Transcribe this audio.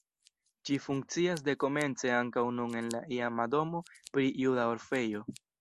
Ĝi funkcias dekomence ankaŭ nun en la iama domo pri juda orfejo.